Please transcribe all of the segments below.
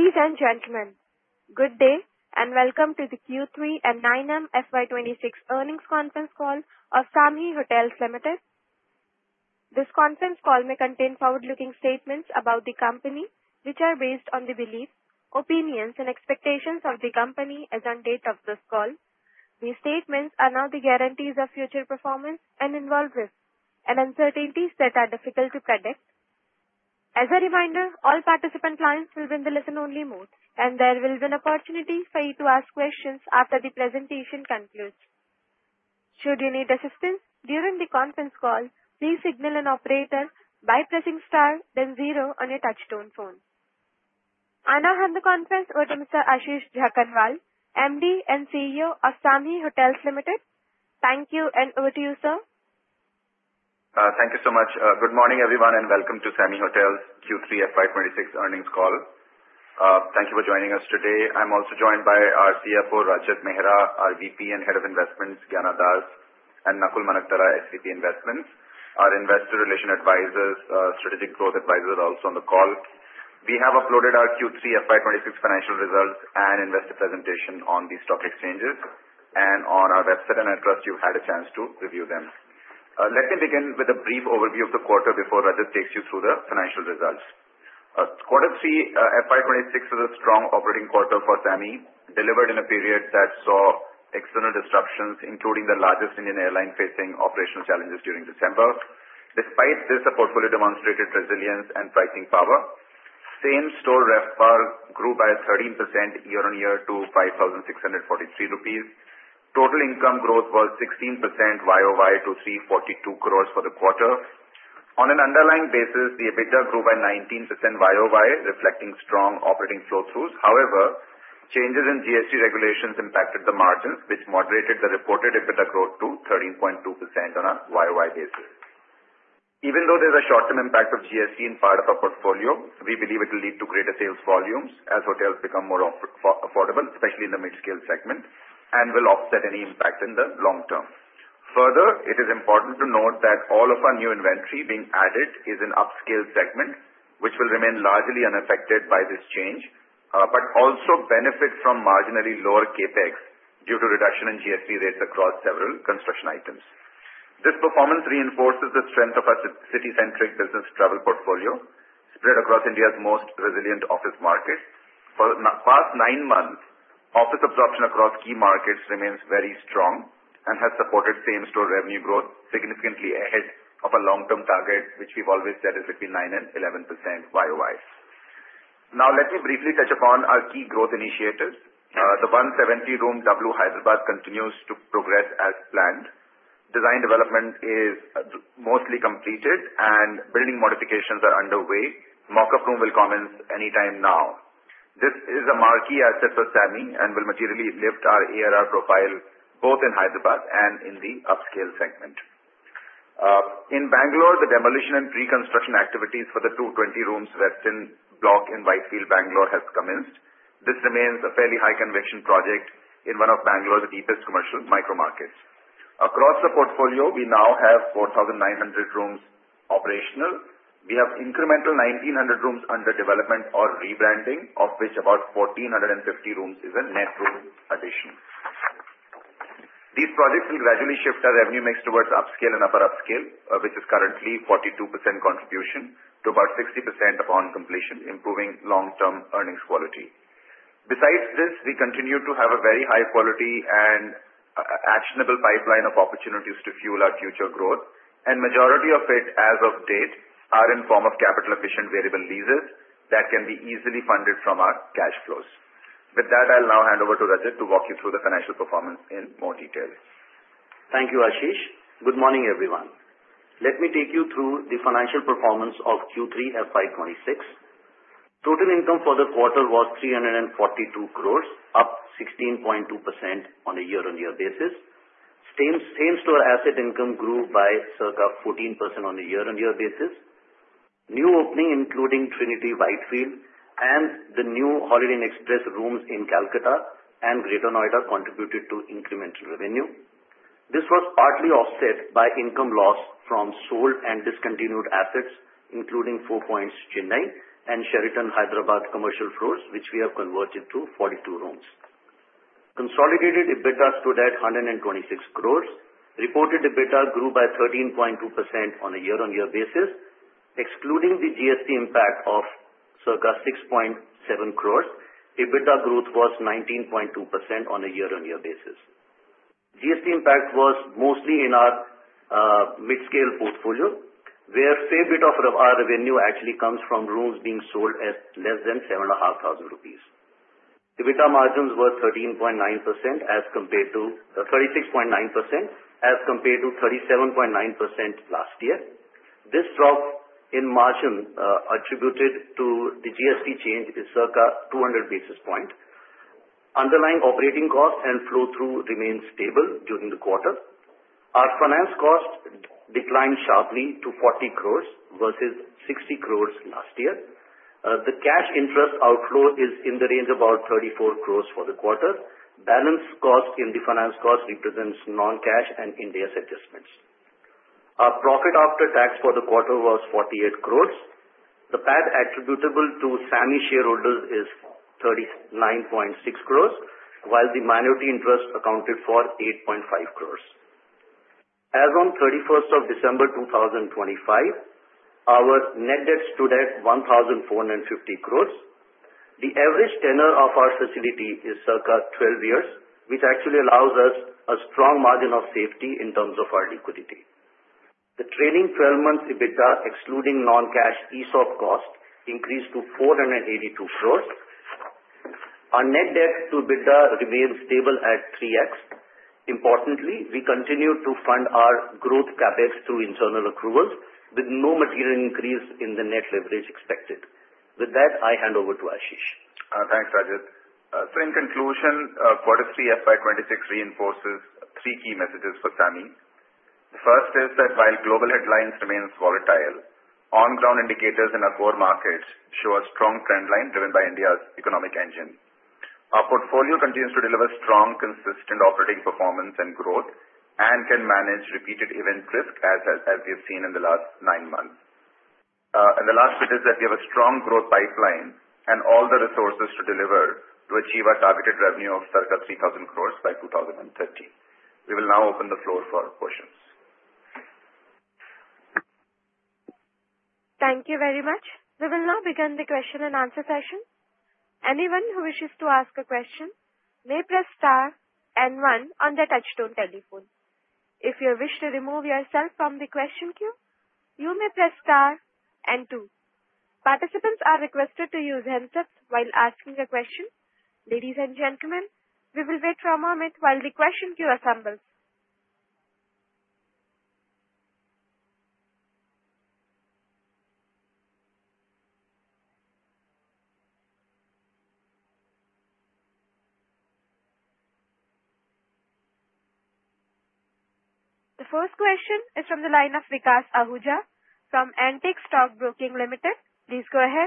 Ladies and gentlemen, good day and welcome to the Q3 and 9M FY 2026 earnings conference call of SAMHI Hotels Limited. This conference call may contain forward-looking statements about the company, which are based on the beliefs, opinions, and expectations of the company as on date of this call. These statements are not the guarantees of future performance and involve risks and uncertainties that are difficult to predict. As a reminder, all participant lines will be in the listen-only mode, and there will be an opportunity for you to ask questions after the presentation concludes. Should you need assistance during the conference call, please signal an operator by pressing star, then zero on your touch-tone phone. I now hand the conference over to Mr. Ashish Jakhanwala, MD and CEO of SAMHI Hotels Limited. Thank you, and over to you, sir. Thank you so much. Good morning, everyone, and welcome to SAMHI Hotels Q3 FY 2026 earnings call. Thank you for joining us today. I'm also joined by our CFO, Rajat Mehra, our VP and Head of Investments, Gyana Das, and Nakul Manaktala, SVP Investments, our Investor Relation Advisors, Strategic Growth Advisors also on the call. We have uploaded our Q3 FY 2026 financial results and investor presentation on these stock exchanges and on our website, and I trust you've had a chance to review them. Let me begin with a brief overview of the quarter before Rajat takes you through the financial results. quarter three FY 2026 was a strong operating quarter for SAMHI, delivered in a period that saw external disruptions, including the largest Indian airline facing operational challenges during December. Despite this, the portfolio demonstrated resilience and pricing power. Same-store RevPAR grew by 13% year-on-year to 5,643 rupees. Total income growth was 16% YoY to 342 crores for the quarter. On an underlying basis, the EBITDA grew by 19% YoY, reflecting strong operating flow-throughs. However, changes in GST regulations impacted the margins, which moderated the reported EBITDA growth to 13.2% on a YoY basis. Even though there's a short-term impact of GST in part of our portfolio, we believe it will lead to greater sales volumes as hotels become more affordable, especially in the mid-scale segment, and will offset any impact in the long term. Further, it is important to note that all of our new inventory being added is an upscale segment, which will remain largely unaffected by this change, but also benefit from marginally lower CapEx due to reduction in GST rates across several construction items. This performance reinforces the strength of our city-centric business travel portfolio, spread across India's most resilient office markets. For the past nine months, office absorption across key markets remains very strong and has supported same-store revenue growth significantly ahead of our long-term target, which we've always said is between 9% and 11% YoY. Now, let me briefly touch upon our key growth initiatives. The 170-room W Hyderabad continues to progress as planned. Design development is mostly completed, and building modifications are underway. Mock-up room will commence anytime now. This is a marquee asset for SAMHI and will materially lift our ARR profile, both in Hyderabad and in the upscale segment. In Bangalore, the demolition and reconstruction activities for the 220 rooms Westin Block in Whitefield, Bangalore, have commenced. This remains a fairly high-conviction project in one of Bangalore's deepest commercial micro-markets. Across the portfolio, we now have 4,900 rooms operational. We have incremental 1,900 rooms under development or rebranding, of which about 1,450 rooms is a net room addition. These projects will gradually shift our revenue mix towards upscale and upper upscale, which is currently 42% contribution to about 60% upon completion, improving long-term earnings quality. Besides this, we continue to have a very high-quality and actionable pipeline of opportunities to fuel our future growth, and the majority of it, as of date, is in the form of capital-efficient variable leases that can be easily funded from our cash flows. With that, I'll now hand over to Rajat to walk you through the financial performance in more detail. Thank you, Ashish. Good morning, everyone. Let me take you through the financial performance of Q3 FY 2026. Total income for the quarter was 342 crores, up 16.2% on a year-over-year basis. Same-store asset income grew by circa 14% on a year-over-year basis. New opening, including Trinity Whitefield and the new Holiday Inn Express rooms in Kolkata and Greater Noida, contributed to incremental revenue. This was partly offset by income loss from sold and discontinued assets, including Four Points Chennai and Sheraton Hyderabad commercial floors, which we have converted to 42 rooms. Consolidated EBITDA stood at 126 crores. Reported EBITDA grew by 13.2% on a year-on-year basis. Excluding the GST impact of circa 6.7 crores, EBITDA growth was 19.2% on a year-on-year basis. GST impact was mostly in our mid-scale portfolio, where a fair bit of our revenue actually comes from rooms being sold at less than 7,500 rupees. EBITDA margins were 36.9% as compared to 37.9% last year. This drop in margin attributed to the GST change is circa 200 basis points. Underlying operating costs and flow-through remained stable during the quarter. Our finance cost declined sharply to 40 crores versus 60 crores last year. The cash interest outflow is in the range of about 34 crores for the quarter. Balance cost in the finance cost represents non-cash and Ind AS adjustments. Our profit after tax for the quarter was 48 crores. The PAT attributable to SAMHI shareholders is 39.6 crores, while the minority interest accounted for 8.5 crores. As of 31st of December 2025, our net debt stood at 1,450 crores. The average tenure of our facility is circa 12 years, which actually allows us a strong margin of safety in terms of our liquidity. The trailing 12 months EBITDA, excluding non-cash ESOP cost, increased to 482 crores. Our net debt to EBITDA remains stable at 3x. Importantly, we continue to fund our growth CapEx through internal accruals, with no material increase in the net leverage expected. With that, I hand over to Ashish. Thanks, Rajat. So in conclusion, quarter three FY 2026 reinforces three key messages for SAMHI. The first is that while global headlines remain volatile, on-ground indicators in our core markets show a strong trend line driven by India's economic engine. Our portfolio continues to deliver strong, consistent operating performance and growth, and can manage repeated event risk as we have seen in the last nine months. And the last bit is that we have a strong growth pipeline and all the resources to deliver to achieve our targeted revenue of circa 3,000 crores by 2030. We will now open the floor for questions. Thank you very much. We will now begin the question and answer session. Anyone who wishes to ask a question may press star and one on their touch-tone telephone. If you wish to remove yourself from the question queue, you may press star and two. Participants are requested to use handsets while asking a question. Ladies and gentlemen, we will wait for a moment while the question queue assembles. The first question is from the line of Vikas Ahuja from Antique Stock Broking Limited. Please go ahead.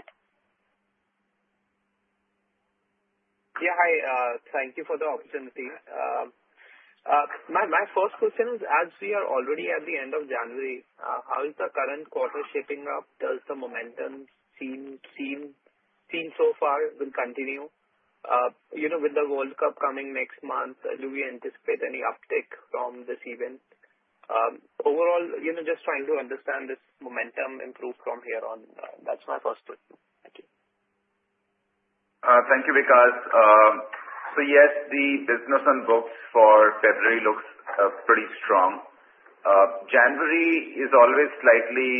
Yeah, hi. Thank you for the opportunity. My first question is, as we are already at the end of January, how is the current quarter shaping up? Does the momentum seem so far will continue? With the World Cup coming next month, do we anticipate any uptick from this event? Overall, just trying to understand this momentum improve from here on. That's my first question. Thank you. Thank you, Vikas. So yes, the business on books for February looks pretty strong. January is always slightly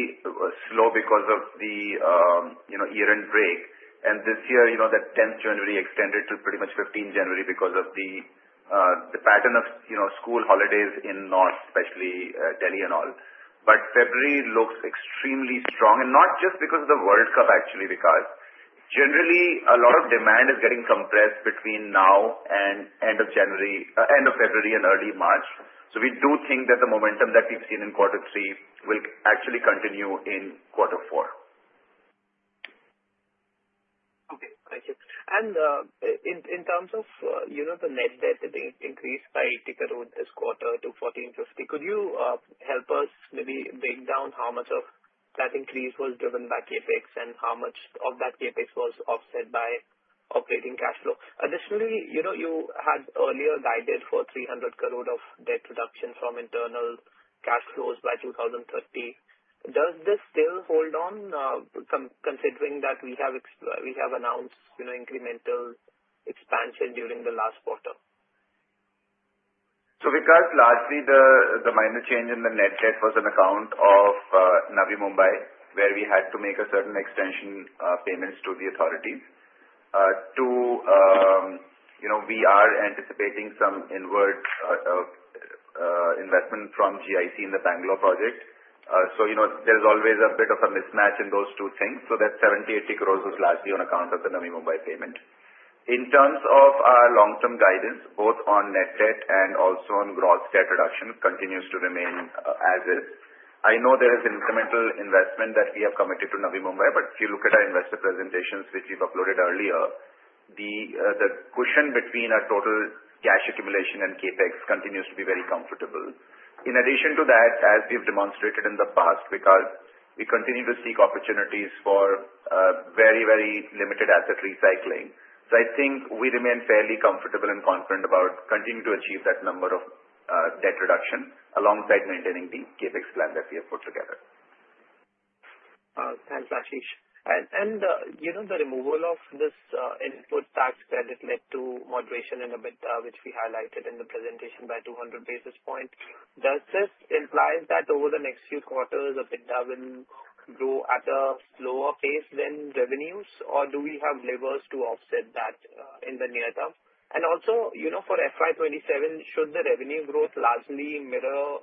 slow because of the year-end break. This year, that 10th of January extended to pretty much 15th of January because of the pattern of school holidays in North, especially Delhi and all. February looks extremely strong, and not just because of the World Cup, actually, Vikas. Generally, a lot of demand is getting compressed between now and end of February and early March. We do think that the momentum that we've seen in quarter three will actually continue in quarter four. Okay, thank you. In terms of the net debt increase by 80 crore this quarter to 1,450 crore, could you help us maybe break down how much of that increase was driven by CapEx and how much of that CapEx was offset by operating cash flow? Additionally, you had earlier guided for 300 crore of debt reduction from internal cash flows by 2030. Does this still hold on, considering that we have announced incremental expansion during the last quarter? So Vikas, largely, the minor change in the net debt was on account of Navi Mumbai, where we had to make a certain extension of payments to the authorities. We are anticipating some inward investment from GIC in the Bangalore project. So there's always a bit of a mismatch in those two things. So that 70 crore-80 crore was largely on account of the Navi Mumbai payment. In terms of our long-term guidance, both on net debt and also on gross debt reduction continues to remain as is. I know there is incremental investment that we have committed to Navi Mumbai, but if you look at our investor presentations, which we've uploaded earlier, the cushion between our total cash accumulation and CapEx continues to be very comfortable. In addition to that, as we've demonstrated in the past, Vikas, we continue to seek opportunities for very, very limited asset recycling. So I think we remain fairly comfortable and confident about continuing to achieve that number of debt reduction alongside maintaining the CapEx plan that we have put together. Thanks, Ashish. The removal of this input tax credit led to moderation in EBITDA, which we highlighted in the presentation by 200 basis points. Does this imply that over the next few quarters, EBITDA will grow at a slower pace than revenues, or do we have levers to offset that in the near term? Also, for FY 2027, should the revenue growth largely mirror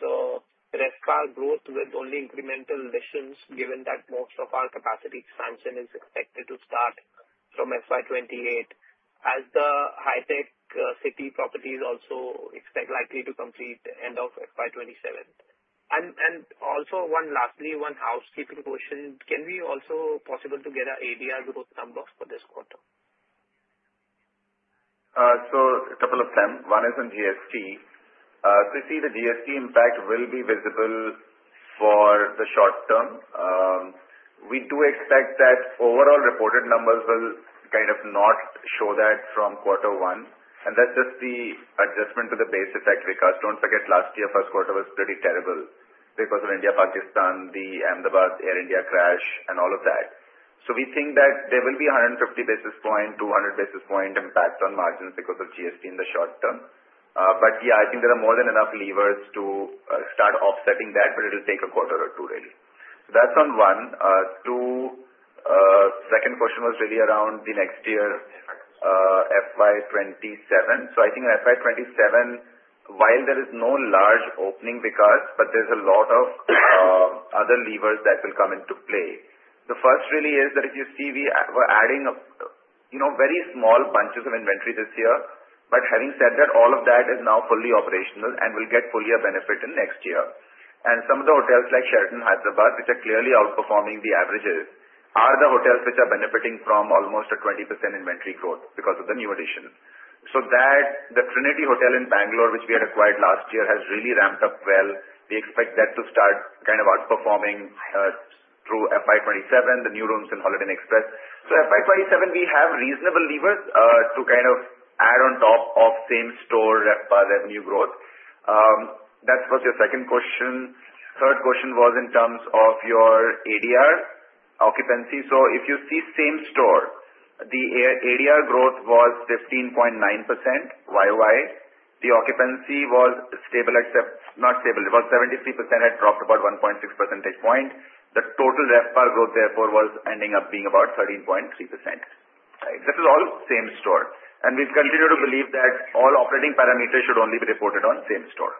the RevPAR growth with only incremental additions, given that most of our capacity expansion is expected to start from FY 2028, as the high-tech city properties are also likely to complete end of FY 2027? Also, lastly, one housekeeping question. Can we also possibly get an ADR growth number for this quarter? So a couple of them. One is on GST. So you see the GST impact will be visible for the short term. We do expect that overall reported numbers will kind of not show that from quarter one. And that's just the adjustment to the basis that Vikas, don't forget, last year's first quarter was pretty terrible because of India, Pakistan, the Ahmedabad, Air India crash, and all of that. So we think that there will be 150-200 basis points impact on margins because of GST in the short term. But yeah, I think there are more than enough levers to start offsetting that, but it'll take a quarter or two, really. So that's on one. Two, second question was really around the next year, FY 2027. So I think FY 2027, while there is no large opening, Vikas, but there's a lot of other levers that will come into play. The first really is that if you see we were adding very small bunches of inventory this year, but having said that, all of that is now fully operational and will get fully a benefit in next year. And some of the hotels like Sheraton Hyderabad, which are clearly outperforming the averages, are the hotels which are benefiting from almost 20% inventory growth because of the new addition. So the Trinity Hotel in Bangalore, which we had acquired last year, has really ramped up well. We expect that to start kind of outperforming through FY 2027, the new rooms in Holiday Inn Express. So FY 2027, we have reasonable levers to kind of add on top of same-store RevPAR revenue growth. That was your second question. Third question was in terms of your ADR occupancy. So if you see same-store, the ADR growth was 15.9% YoY. The occupancy was stable, except not stable. It was 73%, had dropped about 1.6 percentage points. The total RevPAR growth, therefore, was ending up being about 13.3%. This is all same-store. We've continued to believe that all operating parameters should only be reported on same-store.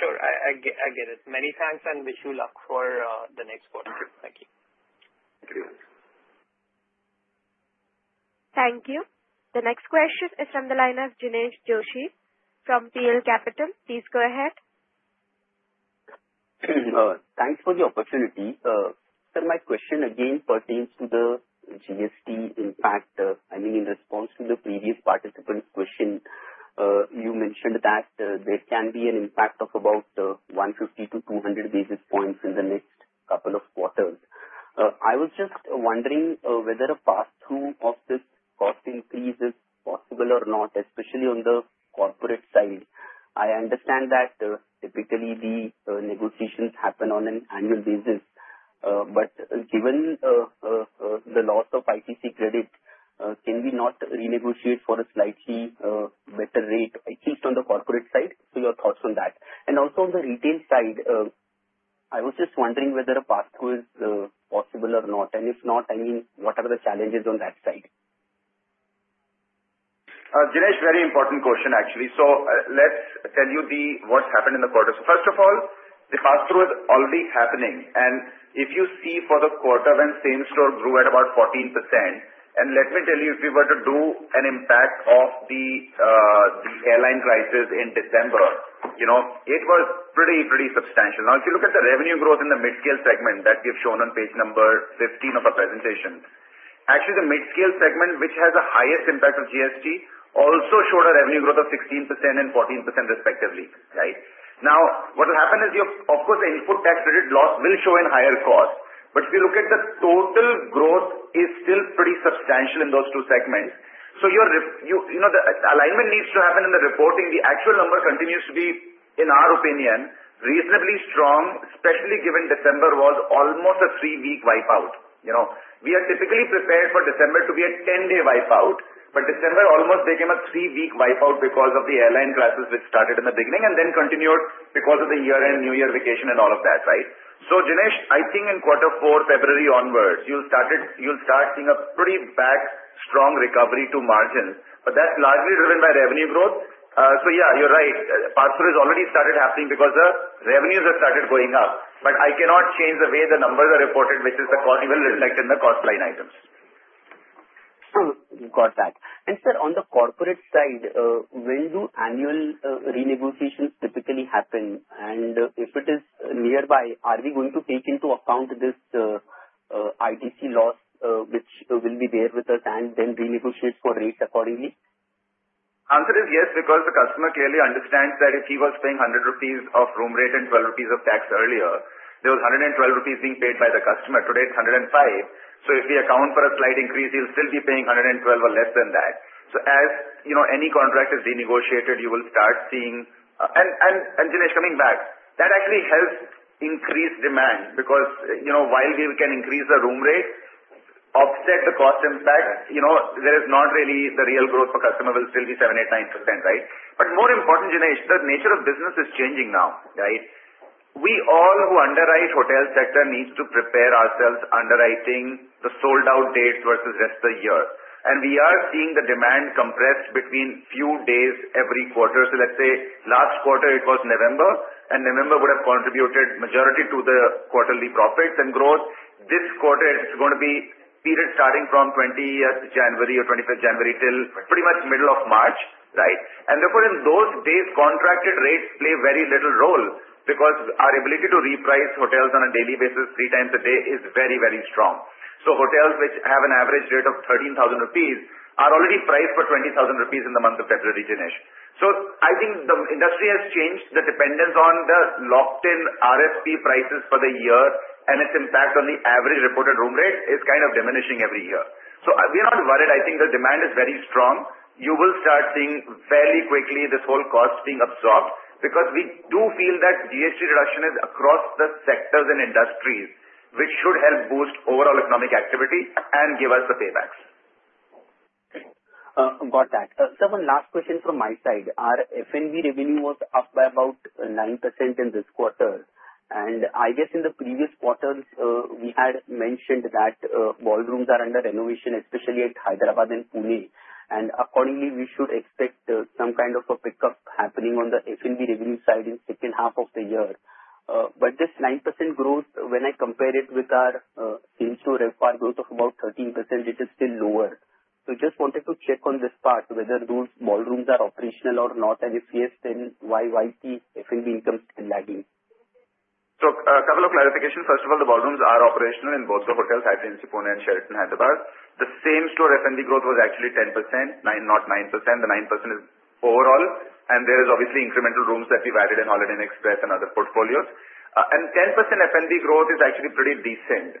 Sure. I get it. Many thanks, and wish you luck for the next quarter. Thank you. Thank you. Thank you. The next question is from the line of Jinesh Joshi from PL Capital. Please go ahead. Thanks for the opportunity. So my question again pertains to the GST impact. I mean, in response to the previous participant's question, you mentioned that there can be an impact of about 150-200 basis points in the next couple of quarters. I was just wondering whether a pass-through of this cost increase is possible or not, especially on the corporate side. I understand that typically the negotiations happen on an annual basis. But given the loss of ITC credit, can we not renegotiate for a slightly better rate, at least on the corporate side? So your thoughts on that. And also on the retail side, I was just wondering whether a pass-through is possible or not. And if not, I mean, what are the challenges on that side? Jinesh, very important question, actually. Let's tell you what's happened in the quarter. First of all, the pass-through is already happening. If you see for the quarter when same-store grew at about 14%, and let me tell you, if we were to do an impact of the airline crisis in December, it was pretty, pretty substantial. Now, if you look at the revenue growth in the mid-scale segment that we have shown on page number 15 of our presentation, actually the mid-scale segment, which has the highest impact of GST, also showed a revenue growth of 16% and 14%, respectively. Now, what will happen is, of course, the input tax credit loss will show in higher cost. But if you look at the total growth, it is still pretty substantial in those two segments. The alignment needs to happen in the reporting. The actual number continues to be, in our opinion, reasonably strong, especially given December was almost a three-week wipeout. We are typically prepared for December to be a 10-day wipeout, but December almost became a three-week wipeout because of the airline crisis, which started in the beginning and then continued because of the year-end, New Year vacation, and all of that. So Jinesh, I think in quarter four, February onwards, you'll start seeing a pretty back strong recovery to margins. But that's largely driven by revenue growth. So yeah, you're right. Pass-through has already started happening because the revenues have started going up. But I cannot change the way the numbers are reported, which is the cost we will reflect in the cost line items. Got that. And sir, on the corporate side, when do annual renegotiations typically happen? And if it is nearby, are we going to take into account this ITC loss, which will be there with us, and then renegotiate for rates accordingly? Answer is yes, because the customer clearly understands that if he was paying 100 rupees of room rate and 12 rupees of tax earlier, there was 112 rupees being paid by the customer. Today, it's 105. So if we account for a slight increase, he'll still be paying 112 or less than that. So as any contract is renegotiated, you will start seeing and Jinesh, coming back, that actually helps increase demand because while we can increase the room rate, offset the cost impact, there is not really the real growth for customer will still be 7%, 8%, 9%. But more important, Jinesh, the nature of business is changing now. We all who underwrite hotel sector need to prepare ourselves underwriting the sold-out dates versus rest of the year. And we are seeing the demand compressed between few days every quarter. So let's say last quarter, it was November, and November would have contributed majority to the quarterly profits and growth. This quarter, it's going to be period starting from January or 25th of January till pretty much middle of March. And therefore, in those days, contracted rates play very little role because our ability to reprice hotels on a daily basis, three times a day, is very, very strong. So hotels which have an average rate of 13,000 rupees are already priced for 20,000 rupees in the month of February, Jinesh. So I think the industry has changed. The dependence on the locked-in RFP prices for the year and its impact on the average reported room rate is kind of diminishing every year. So we're not worried. I think the demand is very strong. You will start seeing fairly quickly this whole cost being absorbed because we do feel that GST reduction is across the sectors and industries, which should help boost overall economic activity and give us the paybacks. Got that. Sir, one last question from my side. Our F&B revenue was up by about 9% in this quarter. And I guess in the previous quarters, we had mentioned that ballrooms are under renovation, especially at Hyderabad and Pune. And accordingly, we should expect some kind of a pickup happening on the F&B revenue side in the second half of the year. But this 9% growth, when I compare it with our same-store RevPAR growth of about 13%, it is still lower. So just wanted to check on this part, whether those ballrooms are operational or not. And if yes, then why is the F&B income still lagging? A couple of clarifications. First of all, the ballrooms are operational in both the hotels, Hyderabad, Pune, and Sheraton Hyderabad. The same-store F&B growth was actually 10%, not 9%. The 9% is overall. There is obviously incremental rooms that we've added in Holiday Inn Express and other portfolios. 10% F&B growth is actually pretty decent,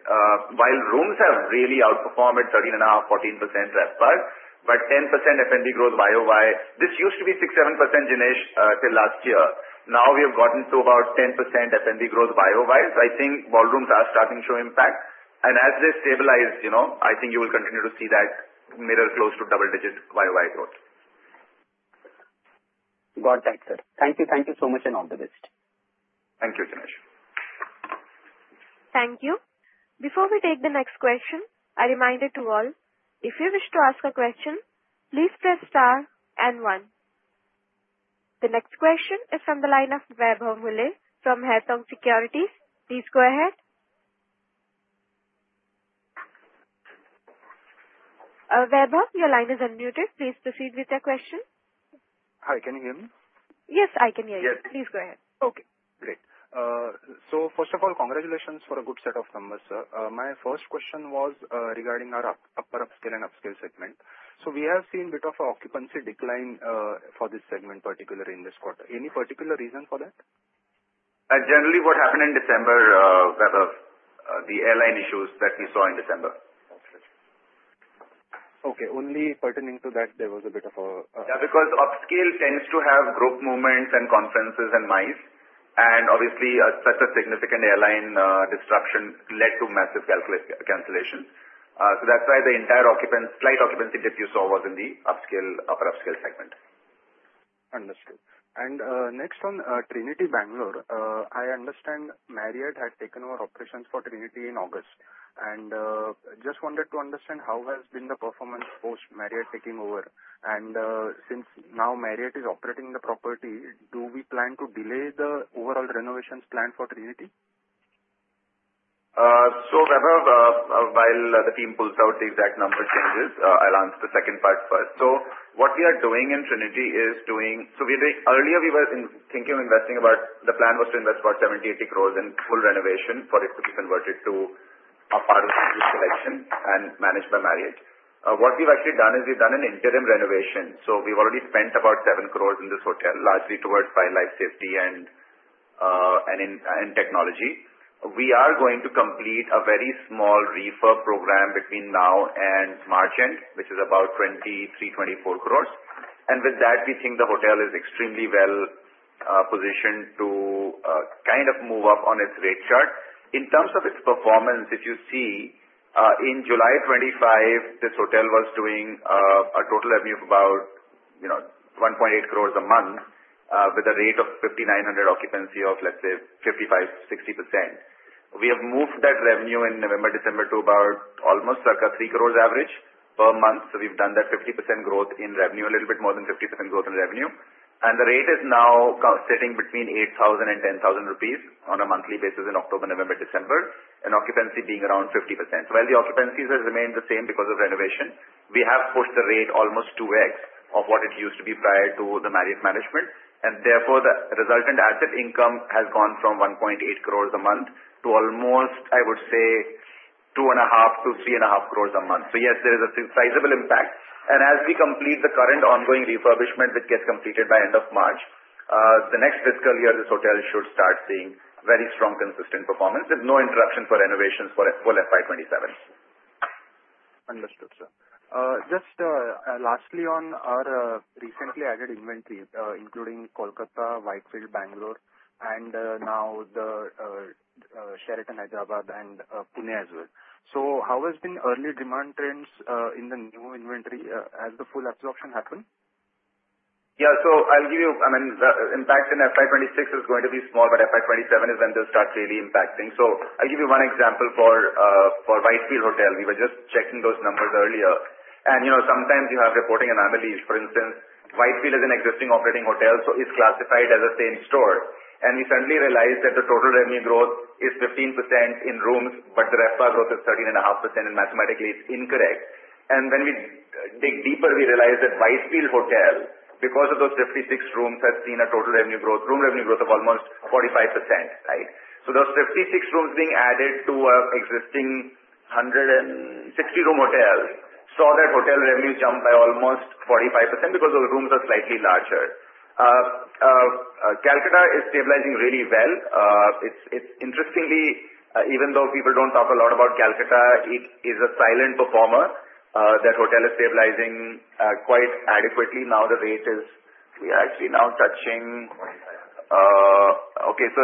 while rooms have really outperformed at 13.5%-14% RevPAR. 10% F&B growth YoY, this used to be 6%-7%, Jinesh, till last year. Now we have gotten to about 10% F&B growth YoY. I think ballrooms are starting to show impact. As they stabilize, I think you will continue to see that mirror close to double-digit YoY growth. Got that, sir. Thank you. Thank you so much, and all the best. Thank you, Jinesh. Thank you. Before we take the next question, a reminder to all, if you wish to ask a question, please press star and one. The next question is from the line of Vaibhav Muley from Haitong Securities. Please go ahead. Vaibhav, your line is unmuted. Please proceed with your question. Hi, can you hear me? Yes, I can hear you. Please go ahead. Okay. Great. First of all, congratulations for a good set of numbers, sir. My first question was regarding our Upper Upscale and Upscale segment. We have seen a bit of an occupancy decline for this segment, particularly in this quarter. Any particular reason for that? Generally, what happened in December, Vaibhav, the airline issues that we saw in December. Okay. Only pertaining to that, there was a bit of a. Yeah, because upscale tends to have group movements and conferences and MICE. And obviously, such a significant airline disruption led to massive cancellations. So that's why the entire slight occupancy dip you saw was in the Upscale, Upper Upscale segment. Understood. And next one, Trinity Bangalore. I understand Marriott had taken over operations for Trinity in August. And just wanted to understand how has been the performance post Marriott taking over. And since now Marriott is operating the property, do we plan to delay the overall renovations plan for Trinity? So Vaibhav, while the team pulls out the exact number changes, I'll answer the second part first. So what we are doing in Trinity is doing so earlier, we were thinking of investing about the plan was to invest about INR 70crores-INR 80 crores in full renovation for it to be converted to a part of the collection and managed by Marriott. What we've actually done is we've done an interim renovation. So we've already spent about 7 crores in this hotel, largely towards fire life safety and technology. We are going to complete a very small refurb program between now and March end, which is about 23 crores-24 crores. And with that, we think the hotel is extremely well positioned to kind of move up on its rate chart. In terms of its performance, if you see, in July 2025, this hotel was doing a total revenue of about 1.8 crores a month with a rate of 5,900 occupancy of, let's say, 55%-60%. We have moved that revenue in November, December to about almost circa 3 crores average per month. So we've done that 50% growth in revenue, a little bit more than 50% growth in revenue. And the rate is now sitting between 8,000-10,000 rupees on a monthly basis in October, November, December, and occupancy being around 50%. So while the occupancies have remained the same because of renovation, we have pushed the rate almost 2x of what it used to be prior to the Marriott management. And therefore, the resultant asset income has gone from 1.8 crores a month to almost, I would say, 2.5 crores-3.5 crores a month. So yes, there is a sizable impact. As we complete the current ongoing refurbishment, which gets completed by end of March, the next fiscal year, this hotel should start seeing very strong, consistent performance with no interruption for renovations for full FY 2027. Understood, sir. Just lastly on our recently added inventory, including Kolkata, Whitefield, Bangalore, and now the Sheraton Hyderabad and Pune as well. So how has been early demand trends in the new inventory as the full absorption happened? Yeah. So I'll give you I mean, the impact in FY 2026 is going to be small, but FY 2027 is when they'll start really impacting. So I'll give you one example for Whitefield Hotel. We were just checking those numbers earlier. And sometimes you have reporting anomalies. For instance, Whitefield is an existing operating hotel, so it's classified as same-store. And we suddenly realized that the total revenue growth is 15% in rooms, but the RevPAR growth is 13.5%, and mathematically, it's incorrect. And when we dig deeper, we realize that Whitefield Hotel, because of those 56 rooms, has seen a total revenue growth, room revenue growth of almost 45%. So those 56 rooms being added to our existing 160-room hotel saw that hotel revenues jump by almost 45% because those rooms are slightly larger. Kolkata is stabilizing really well. Interestingly, even though people don't talk a lot about Kolkata, it is a silent performer. That hotel is stabilizing quite adequately. Now the rate is we are actually now touching okay. So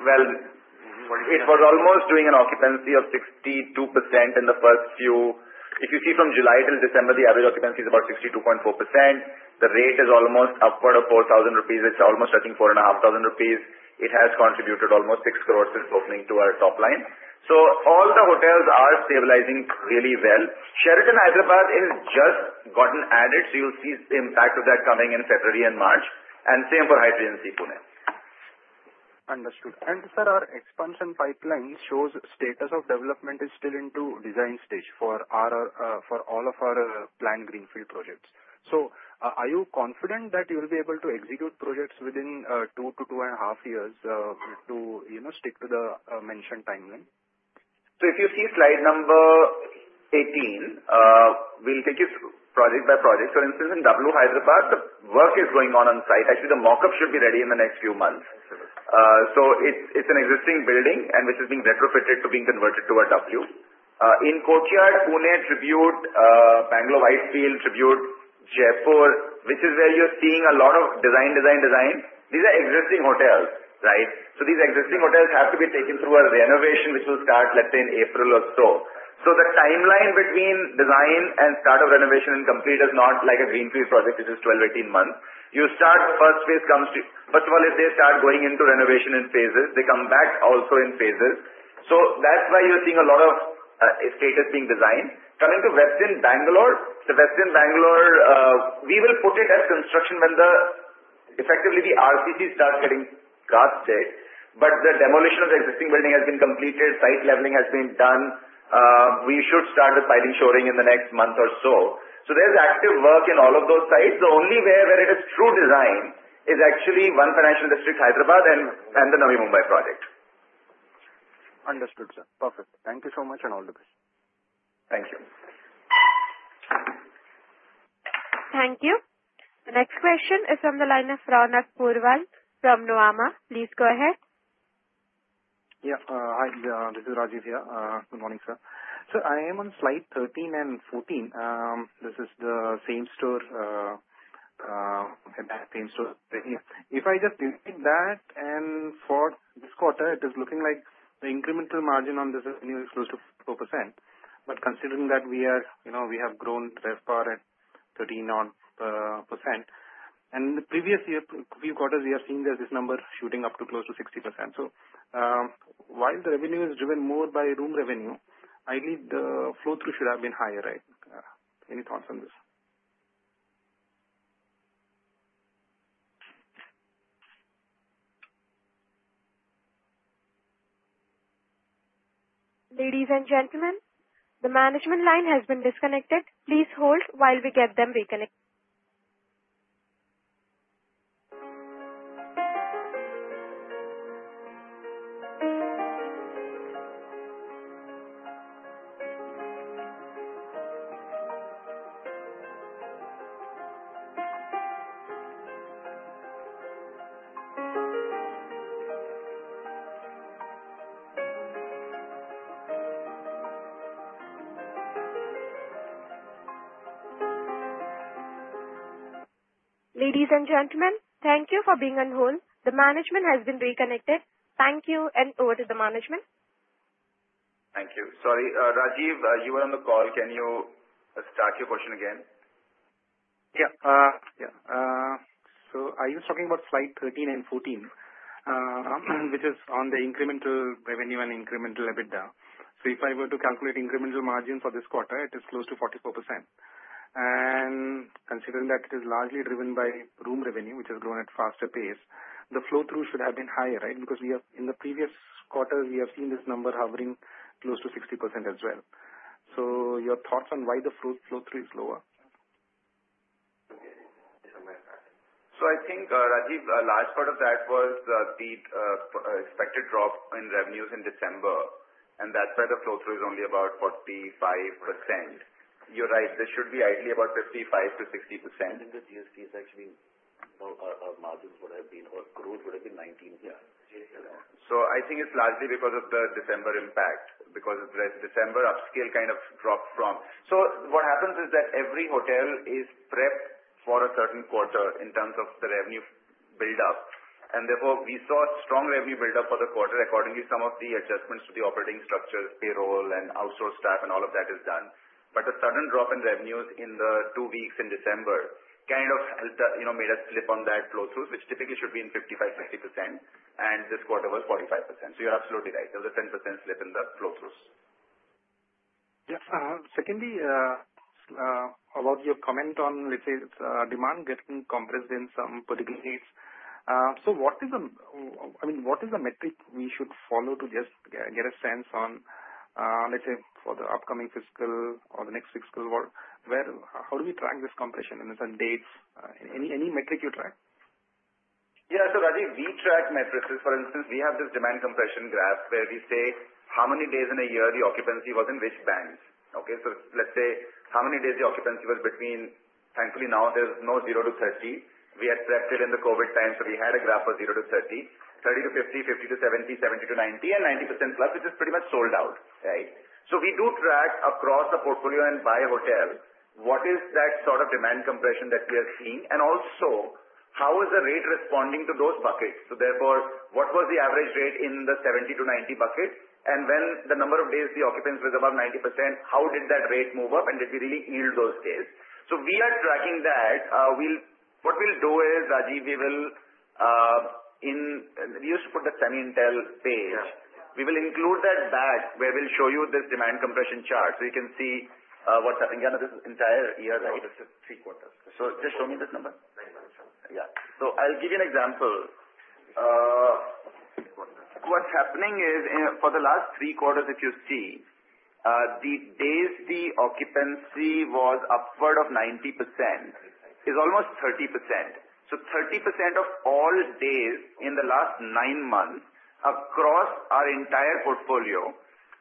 well, it was almost doing an occupancy of 62% in the first few. If you see from July till December, the average occupancy is about 62.4%. The rate is almost upward of 4,000 rupees. It's almost touching 4,500 rupees. It has contributed almost 6 crore since opening to our top line. So all the hotels are stabilizing really well. Sheraton Hyderabad has just gotten added, so you'll see the impact of that coming in February and March. And same for Hyderabad, the W one. Understood. And sir, our expansion pipeline shows status of development is still into design stage for all of our planned greenfield projects. So are you confident that you'll be able to execute projects within 2-2.5 years to stick to the mentioned timeline? So if you see slide number 18, we'll take you project by project. For instance, in W Hyderabad, the work is going on on-site. Actually, the mockup should be ready in the next few months. So it's an existing building which is being retrofitted to be converted to a W. In Courtyard Pune, Tribute Bangalore Whitefield, Tribute Jaipur, which is where you're seeing a lot of design, design, design, these are existing hotels. So these existing hotels have to be taken through a renovation, which will start, let's say, in April or so. So the timeline between design and start of renovation and complete is not like a greenfield project, which is 12-18 months. You start, first phase comes to first of all, if they start going into renovation in phases, they come back also in phases. So that's why you're seeing a lot of sites being designed. Coming to Westin Bangalore, the Westin Bangalore, we will put it as construction when effectively the RCC starts getting cast ahead. But the demolition of the existing building has been completed. Site leveling has been done. We should start the shoring in the next month or so. So there's active work in all of those sites. The only site where it is truly in design is actually the one, Financial District, Hyderabad, and the Navi Mumbai project. Understood, sir. Perfect. Thank you so much and all the best. Thank you. Thank you. The next question is from the line of Raman Purwar from Nuvama. Please go ahead. Yeah. Hi, this is Rajiv here. Good morning, sir. I am on slide 13 and 14. This is the same-store RevPAR. If I just delete that and for this quarter, it is looking like the incremental margin on this RevPAR is close to 4%. But considering that we have grown RevPAR at 13%, and in the previous few quarters, we have seen that this number shooting up to close to 60%. So while the revenue is driven more by room revenue, ideally, the flow-through should have been higher. Any thoughts on this? Ladies and gentlemen, the management line has been disconnected. Please hold while we get them reconnected. Ladies and gentlemen, thank you for being on hold. The management has been reconnected. Thank you and over to the management. Thank you. Sorry, Rajiv, you were on the call. Can you start your question again? Yeah. Yeah. So I was talking about slide 13 and 14, which is on the incremental revenue and incremental EBITDA. So if I were to calculate incremental margin for this quarter, it is close to 44%. And considering that it is largely driven by room revenue, which has grown at a faster pace, the flow-through should have been higher, right? Because in the previous quarter, we have seen this number hovering close to 60% as well. So your thoughts on why the flow-through is lower? So I think, Rajiv, a large part of that was the expected drop in revenues in December. And that's why the flow-through is only about 45%. You're right. This should be ideally about 55%-60%. I think the GST is actually our margins would have been or gross would have been 19%. Yeah. So I think it's largely because of the December impact, because of the December upscale kind of drop from. So what happens is that every hotel is prepped for a certain quarter in terms of the revenue build-up. And therefore, we saw a strong revenue build-up for the quarter according to some of the adjustments to the operating structures, payroll, and outsourced staff, and all of that is done. But the sudden drop in revenues in the two weeks in December kind of made us slip on that flow-through, which typically should be in 55%-60%. And this quarter was 45%. So you're absolutely right. There was a 10% slip in the flow-throughs. Yeah. Secondly, about your comment on, let's say, demand getting compressed in some particular dates. So what is the, I mean, what is the metric we should follow to just get a sense on, let's say, for the upcoming fiscal or the next fiscal? How do we track this compression in certain dates? Any metric you track? Yeah. So Rajiv, we track metrics. For instance, we have this demand compression graph where we say how many days in a year the occupancy was in which bands. Okay? So let's say how many days the occupancy was between, thankfully, now there's no 0%-30%. We had prepped it in the COVID time, so we had a graph of 0%-30%, 30%-50%, 50%-70%, 70%-90%, and 90%+, which is pretty much sold out, right? So we do track across the portfolio and by hotel, what is that sort of demand compression that we are seeing? And also, how is the rate responding to those buckets? So therefore, what was the average rate in the 70%-90% bucket? And when the number of days the occupancy was above 90%, how did that rate move up? And did we really yield those days? So we are tracking that. What we'll do is, Rajiv, we will in we used to put the SAMHI internal page. We will include that back where we'll show you this demand compression chart so you can see what's happening under this entire year, right? Oh, this is three quarters. Just show me this number. Yeah. So I'll give you an example. What's happening is for the last 3 quarters, if you see, the days the occupancy was upward of 90% is almost 30%. So 30% of all days in the last 9 months across our entire portfolio,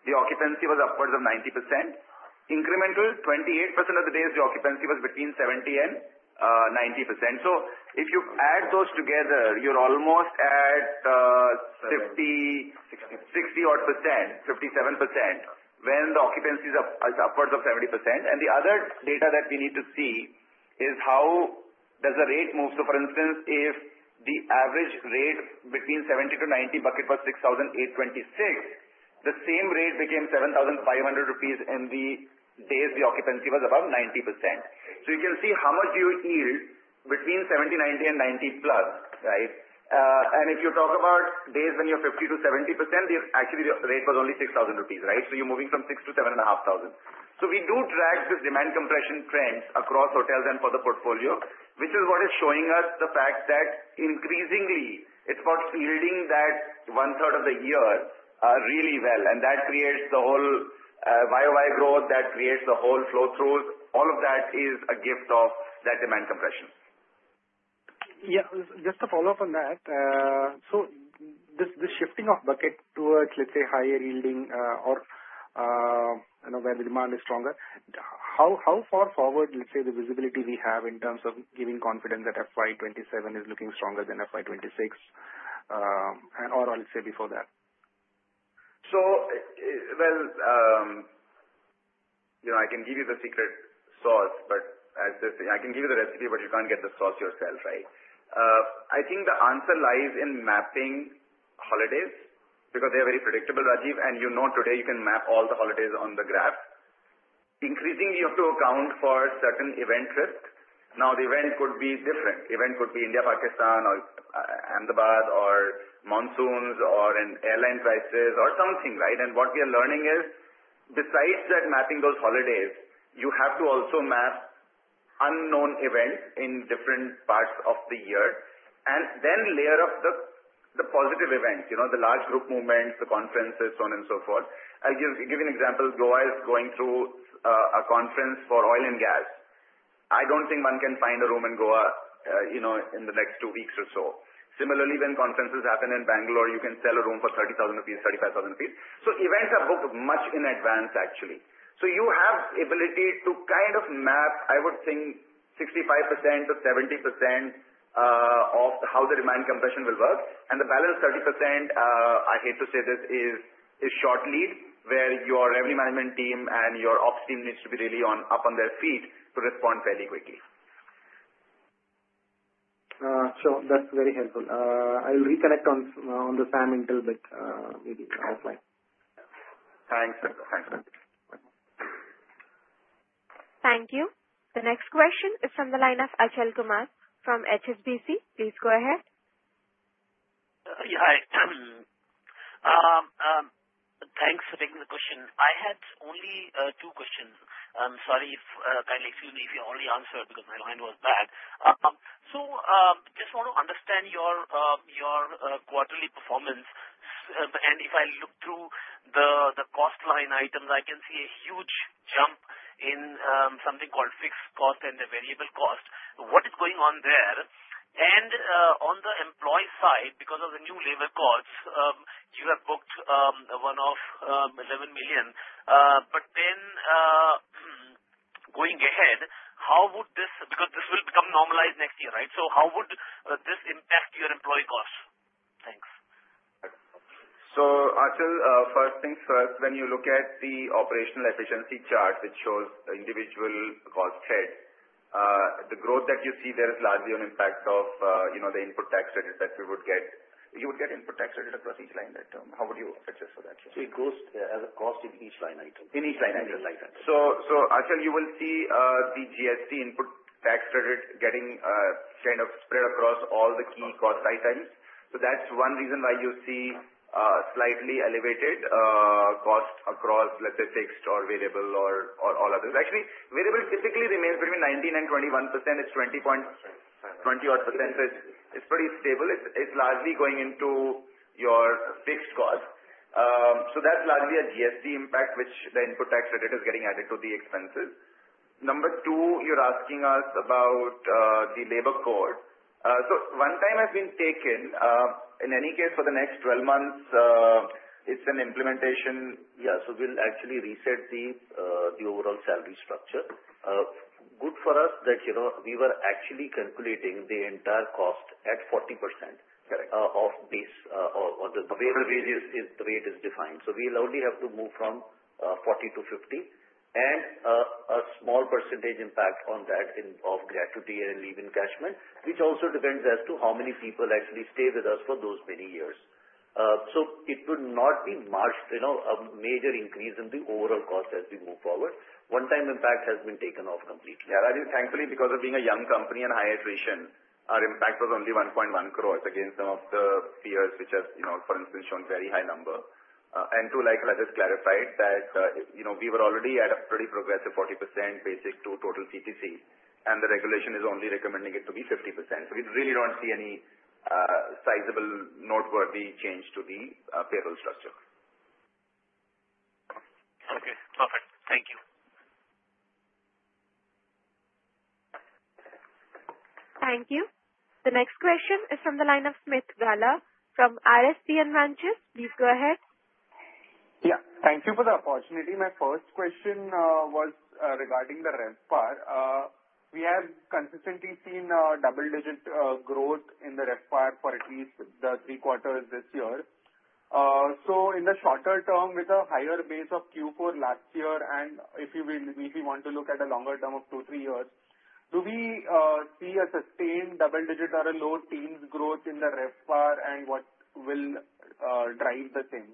the occupancy was upwards of 90%. Incremental, 28% of the days, the occupancy was between 70% and 90%. So if you add those together, you're almost at 60-odd%, 57% when the occupancy is upwards of 70%. And the other data that we need to see is how does the rate move. So for instance, if the average rate between 70-90 bucket was 6,826, the same rate became 7,500 rupees in the days the occupancy was above 90%. So you can see how much you yield between 70-90 and 90+, right? If you talk about days when you're 50%-70%, actually, the rate was only 6,000 rupees, right? You're moving from 6,000 to 7,500. We do track this demand compression trends across hotels and for the portfolio, which is what is showing us the fact that increasingly, it's about yielding that one-third of the year really well. That creates the whole YoY growth, that creates the whole flow-throughs. All of that is a gift of that demand compression. Yeah. Just to follow up on that, so this shifting of bucket towards, let's say, higher yielding or where the demand is stronger, how far forward, let's say, the visibility we have in terms of giving confidence that FY 2027 is looking stronger than FY 2026 or, let's say, before that? Well, I can give you the secret sauce, but I can give you the recipe, but you can't get the sauce yourself, right? I think the answer lies in mapping holidays because they are very predictable, Rajiv. You know today you can map all the holidays on the graph. Increasingly, you have to account for certain event risk. Now, the event could be different. Event could be India, Pakistan, or Ahmedabad, or monsoons, or airline prices, or something, right? What we are learning is, besides that mapping those holidays, you have to also map unknown events in different parts of the year and then layer up the positive events, the large group movements, the conferences, so on and so forth. I'll give you an example. Goa is going through a conference for oil and gas. I don't think one can find a room in Goa in the next two weeks or so. Similarly, when conferences happen in Bangalore, you can sell a room for 30,000-35,000 rupees. So events are booked much in advance, actually. So you have the ability to kind of map, I would think, 65%-70% of how the demand compression will work. And the balance, 30%, I hate to say this, is short lead where your revenue management team and your ops team needs to be really up on their feet to respond fairly quickly. So that's very helpful. I'll reconnect on the SAMHI intel bit offline. Thanks. Thank you. The next question is from the line of Achal Kumar from HSBC. Please go ahead. Yeah. Thanks for taking the question. I had only two questions. I'm sorry if kindly, excuse me, if you only answered because my line was bad. So just want to understand your quarterly performance. And if I look through the cost line items, I can see a huge jump in something called fixed cost and the variable cost. What is going on there? And on the employee side, because of the new labor costs, you have booked one-off 11 million. But then going ahead, how would this because this will become normalized next year, right? So how would this impact your employee costs? Thanks. Achal, first things first, when you look at the operational efficiency chart, which shows individual costs, the growth that you see there is largely an impact of the input tax credit that you would get. You would get input tax credit across each line item. How would you adjust for that? It goes as a cost in each line item? In each line item. So Achal, you will see the GST input tax credit getting kind of spread across all the key cost items. So that's one reason why you see slightly elevated cost across, let's say, fixed or variable or all others. Actually, variable typically remains between 19%-21%. It's 20-odd%. So it's pretty stable. It's largely going into your fixed cost. So that's largely a GST impact, which the input tax credit is getting added to the expenses. Number two, you're asking us about the labor code. So one time has been taken. In any case, for the next 12 months, it's an implementation. Yeah. So we'll actually reset the overall salary structure. Good for us that we were actually calculating the entire cost at 40% of base or the way it is defined. So we'll only have to move from 40%-50%. A small percentage impact on that of gratuity and leave encashment, which also depends as to how many people actually stay with us for those many years. So it would not be a major increase in the overall cost as we move forward. One-time impact has been taken off completely. Yeah. Thankfully, because of being a young company and high attrition, our impact was only 1.1 crore against some of the peers, which has, for instance, shown a very high number. And two, like Rajat clarified, that we were already at a pretty progressive 40% basic to total CTC, and the regulation is only recommending it to be 50%. So we really don't see any sizable noteworthy change to the payroll structure. Okay. Perfect. Thank you. Thank you. The next question is from the line of Sumit Gala from RSP. Please go ahead. Yeah. Thank you for the opportunity. My first question was regarding the RevPAR. We have consistently seen double-digit growth in the RevPAR for at least the three quarters this year. So in the shorter term, with a higher base of Q4 last year, and if we want to look at a longer term of two to three years, do we see a sustained double-digit or a low teens growth in the RevPAR, and what will drive the thing?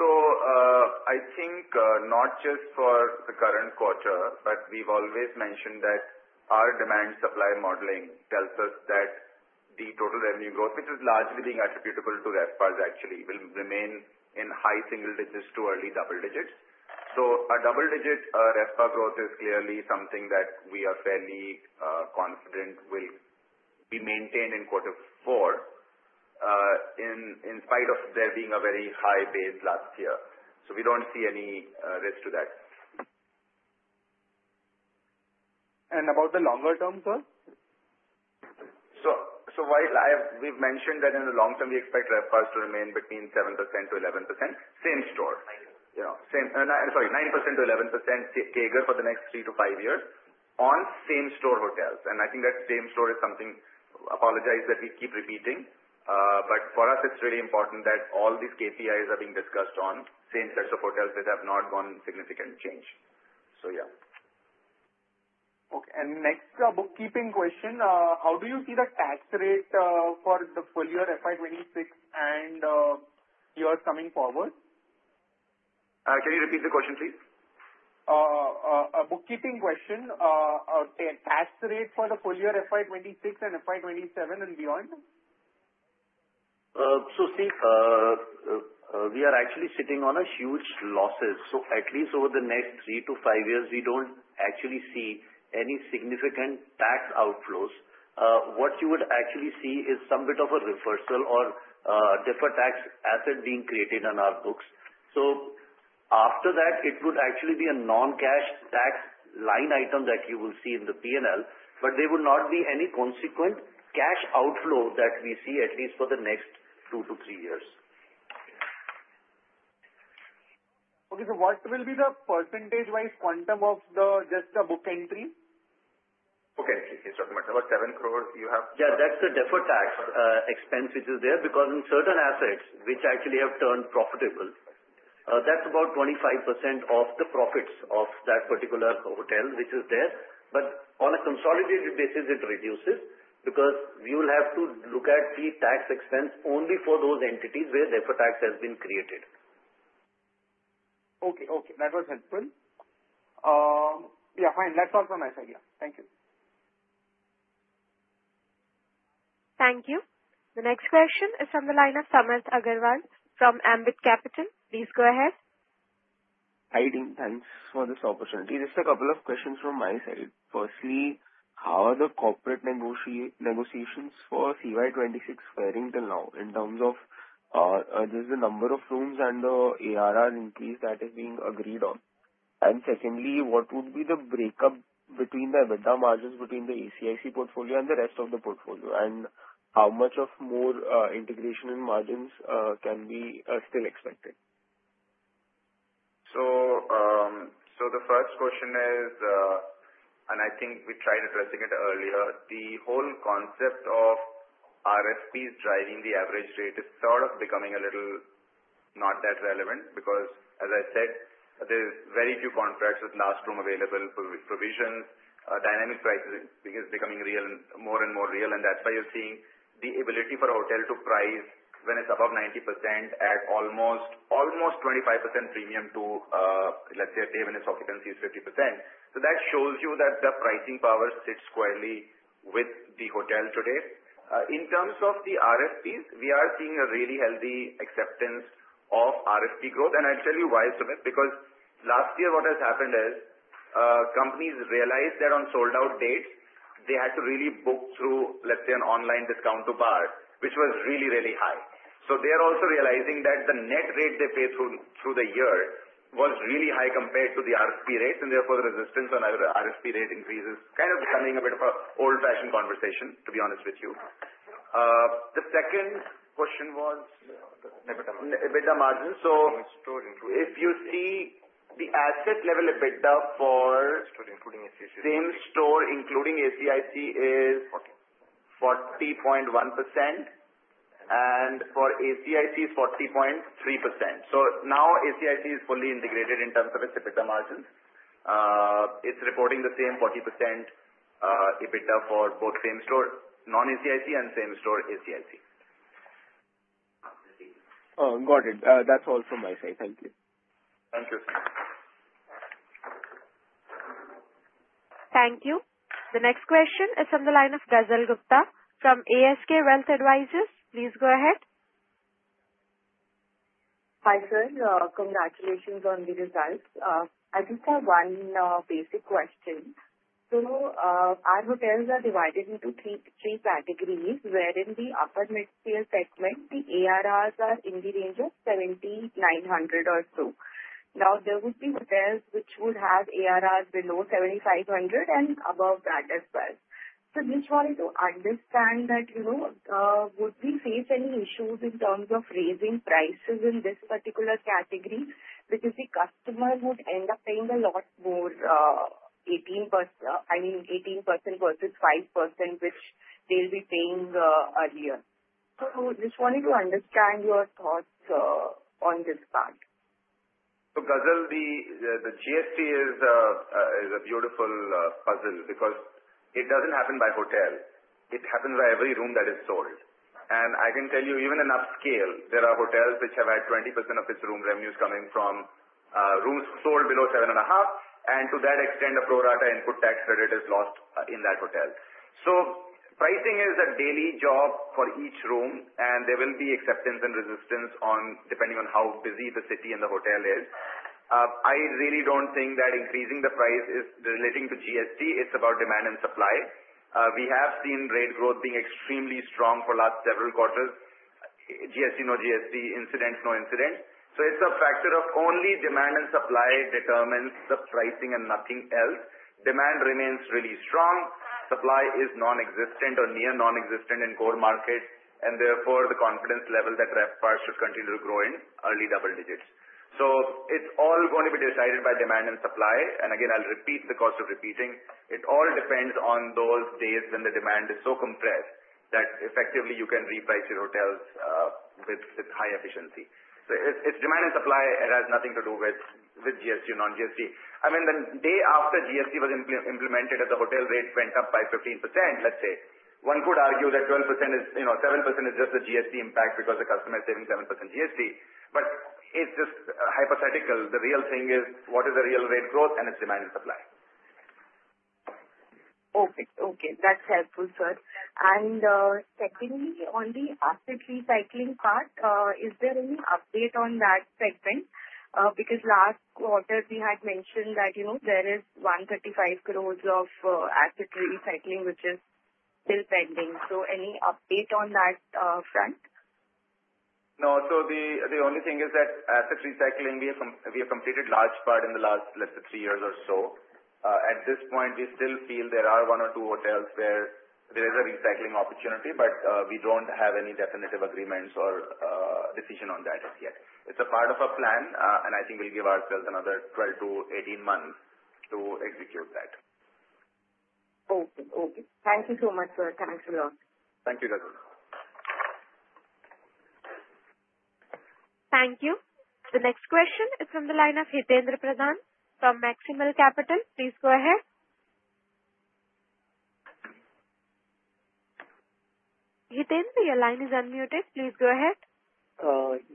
So I think not just for the current quarter, but we've always mentioned that our demand-supply modeling tells us that the total revenue growth, which is largely being attributable to RevPARs, actually, will remain in high single digits to early double digits. So a double-digit RevPAR growth is clearly something that we are fairly confident will be maintained in quarter four in spite of there being a very high base last year. So we don't see any risk to that. About the longer term, sir? So we've mentioned that in the long term, we expect RevPARs to remain between 7%-11%, same-store. Sorry, 9%-11% CAGR for the next three to five years on same-store hotels. And I think that same-store is something, apologize, that we keep repeating. But for us, it's really important that all these KPIs are being discussed on same sets of hotels that have not gone significantly changed. So yeah. Okay. Next, a bookkeeping question. How do you see the tax rate for the full year FY 2026 and years coming forward? Can you repeat the question, please? A bookkeeping question. Tax rate for the full year FY 2026 and FY 2027 and beyond? So see, we are actually sitting on huge losses. So at least over the next three to five years, we don't actually see any significant tax outflows. What you would actually see is some bit of a reversal or deferred tax asset being created in our books. So after that, it would actually be a non-cash tax line item that you will see in the P&L, but there would not be any consequent cash outflow that we see, at least for the next two to three years. Okay. So what will be the percentage-wise quantum of just the book entry? Okay. He's talking about 7 crore you have? Yeah. That's the deferred tax expense, which is there because in certain assets, which actually have turned profitable, that's about 25% of the profits of that particular hotel, which is there. But on a consolidated basis, it reduces because we will have to look at the tax expense only for those entities where deferred tax has been created. Okay. Okay. That was helpful. Yeah. Fine. That's all from my side. Yeah. Thank you. Thank you. The next question is from the line of Samarth Agrawal from Ambit Capital. Please go ahead. Hi, team. Thanks for this opportunity. Just a couple of questions from my side. Firstly, how are the corporate negotiations for CY 2026 faring till now in terms of just the number of rooms and the ARR increase that is being agreed on? And secondly, what would be the breakup between the EBITDA margins between the ACIC Portfolio and the rest of the portfolio? And how much more integration margins can be still expected? So the first question is, and I think we tried addressing it earlier, the whole concept of RFPs driving the average rate is sort of becoming a little not that relevant because, as I said, there's very few contracts with last room available provisions. Dynamic pricing is becoming more and more real. And that's why you're seeing the ability for a hotel to price when it's above 90% at almost 25% premium to, let's say, a day when its occupancy is 50%. So that shows you that the pricing power sits squarely with the hotel today. In terms of the RFPs, we are seeing a really healthy acceptance of RFP growth. And I'll tell you why, Samantha, because last year, what has happened is companies realized that on sold-out dates, they had to really book through, let's say, an online discount to BAR, which was really, really high. So they are also realizing that the net rate they pay through the year was really high compared to the RFP rates. And therefore, the resistance on RFP rate increases is kind of becoming a bit of an old-fashioned conversation, to be honest with you. The second question was the EBITDA margin. So if you see the asset-level EBITDA for same-store, including ACIC, is 40.1%, and for ACIC, it's 40.3%. So now ACIC is fully integrated in terms of its EBITDA margins. It's reporting the same 40% EBITDA for both same-store, non-ACIC, and same-store ACIC. Got it. That's all from my side. Thank you. Thank you. Thank you. The next question is from the line of Gazal Gupta from ASK Wealth Advisors. Please go ahead. Hi sir. Congratulations on the results. I just have one basic question. So our hotels are divided into three categories, wherein the upper-mid-tier segment, the ARRs are in the range of 7,900 or so. Now, there would be hotels which would have ARRs below 7,500 and above that as well. So just wanted to understand that would we face any issues in terms of raising prices in this particular category, which is the customer would end up paying a lot more, 18% versus 5%, which they'll be paying earlier. So just wanted to understand your thoughts on this part. So Gazal, the GST is a beautiful puzzle because it doesn't happen by hotel. It happens by every room that is sold. And I can tell you, even in upscale, there are hotels which have had 20% of its room revenues coming from rooms sold below 7.5. And to that extent, a pro-rata input tax credit is lost in that hotel. So pricing is a daily job for each room, and there will be acceptance and resistance depending on how busy the city and the hotel is. I really don't think that increasing the price is relating to GST. It's about demand and supply. We have seen rate growth being extremely strong for the last several quarters. GST, no GST, incident, no incident. So it's a factor of only demand and supply determines the pricing and nothing else. Demand remains really strong. Supply is nonexistent or near nonexistent in core markets. And therefore, the confidence level that RevPARs should continue to grow in early double digits. So it's all going to be decided by demand and supply. And again, I'll repeat the cost of repeating. It all depends on those days when the demand is so compressed that effectively you can reprice your hotels with high efficiency. So it's demand and supply. It has nothing to do with GST or non-GST. I mean, the day after GST was implemented and the hotel rate went up by 15%, let's say, one could argue that 12% is 7% is just the GST impact because the customer is saving 7% GST. But it's just hypothetical. The real thing is, what is the real rate growth and its demand and supply? Okay. Okay. That's helpful, sir. And secondly, on the asset recycling part, is there any update on that segment? Because last quarter, we had mentioned that there is 135 crore of asset recycling, which is still pending. So any update on that front? No. So the only thing is that asset recycling, we have completed a large part in the last, let's say, 3 years or so. At this point, we still feel there are one or two hotels where there is a recycling opportunity, but we don't have any definitive agreements or decision on that as yet. It's a part of our plan, and I think we'll give ourselves another 12-18 months to execute that. Okay. Okay. Thank you so much, sir. Thanks a lot. Thank you, Gazal. Thank you. The next question is from the line of Hitaindra Pradhan from Maximal Capital. Please go ahead. Hitaindra, your line is unmuted. Please go ahead.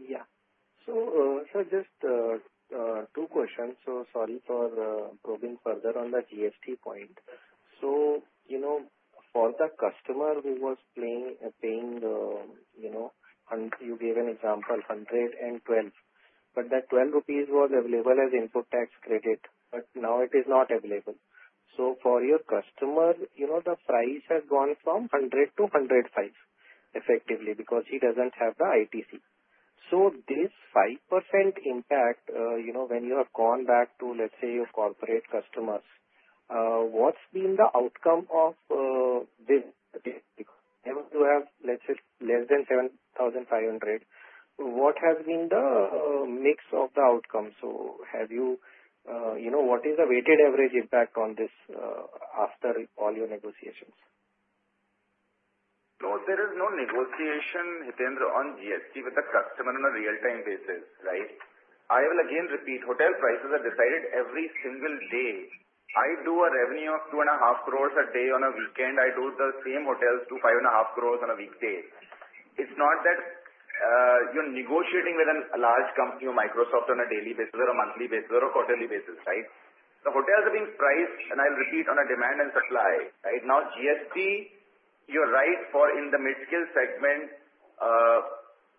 Yeah. So just two questions. So sorry for probing further on the GST point. So for the customer who was paying, you gave an example, 112. But that 12 rupees was available as input tax credit, but now it is not available. So for your customer, the price has gone from 100 to 105 effectively because he doesn't have the ITC. So this 5% impact, when you have gone back to, let's say, your corporate customers, what's been the outcome of this? Because if you have, let's say, less than 7,500, what has been the mix of the outcome? So have you what is the weighted average impact on this after all your negotiations? No, there is no negotiation, Hitaindra, on GST with the customer on a real-time basis, right? I will again repeat. Hotel prices are decided every single day. I do a revenue of 2.5 crore a day. On a weekend, I do the same hotels do 5.5 crore on a weekday. It's not that you're negotiating with a large company or Microsoft on a daily basis or a monthly basis or a quarterly basis, right? The hotels are being priced, and I'll repeat, on a demand and supply, right? Now, GST, you're right, for in the mid-scale segment,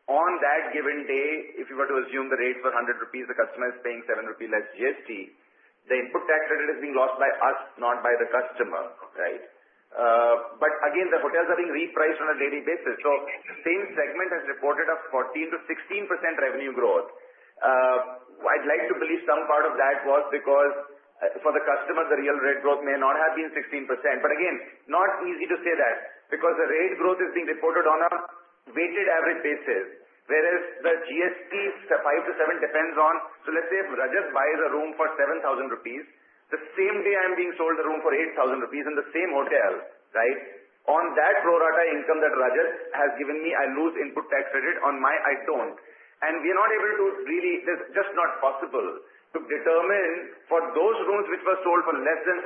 on that given day, if you were to assume the rates were 100 rupees, the customer is paying 7 rupees less GST. The input tax credit is being lost by us, not by the customer, right? But again, the hotels are being repriced on a daily basis. So the same segment has reported a 14%-16% revenue growth. I'd like to believe some part of that was because for the customer, the real rate growth may not have been 16%. But again, not easy to say that because the rate growth is being reported on a weighted average basis, whereas the GST 5%-7% depends on. So let's say if Rajat buys a room for 7,000 rupees, the same day I'm being sold a room for 8,000 rupees in the same hotel, right? On that pro-rata income that Rajat has given me, I lose input tax credit on my add-on. And we are not able to really, it's just not possible to determine for those rooms which were sold for less than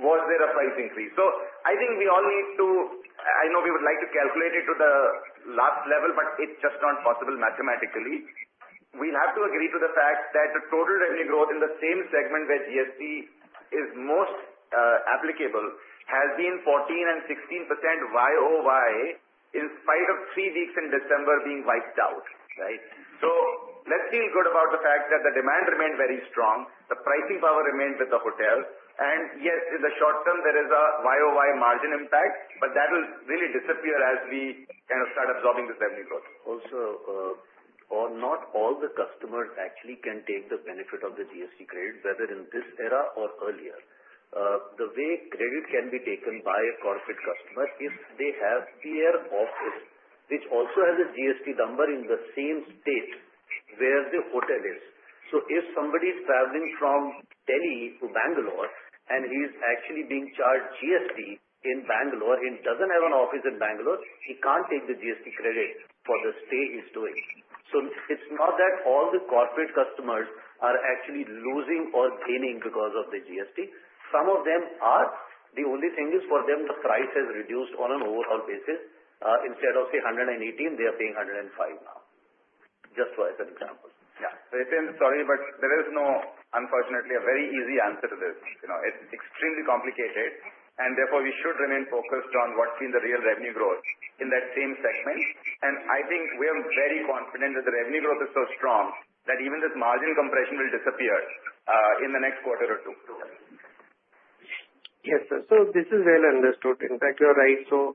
7.5, was there a price increase? So I think we all need to, I know we would like to calculate it to the last level, but it's just not possible mathematically. We'll have to agree to the fact that the total revenue growth in the same segment where GST is most applicable has been 14% and 16% YoY in spite of three weeks in December being wiped out, right? So let's feel good about the fact that the demand remained very strong, the pricing power remained with the hotels. And yes, in the short term, there is a YoY margin impact, but that will really disappear as we kind of start absorbing this revenue growth. Also, not all the customers actually can take the benefit of the GST credit, whether in this era or earlier. The way credit can be taken by a corporate customer is if they have their office, which also has a GST number in the same state where the hotel is. So if somebody is traveling from Delhi to Bangalore and he's actually being charged GST in Bangalore, he doesn't have an office in Bangalore, he can't take the GST credit for the stay he's doing. So it's not that all the corporate customers are actually losing or gaining because of the GST. Some of them are. The only thing is for them, the price has reduced on an overall basis. Instead of, say, 118, they are paying 105 now, just as an example. Yeah. Hitaindra, sorry, but there is no, unfortunately, a very easy answer to this. It's extremely complicated. Therefore, we should remain focused on what's been the real revenue growth in that same segment. I think we are very confident that the revenue growth is so strong that even this margin compression will disappear in the next quarter or two. Yes, sir. So this is well understood. In fact, you're right. So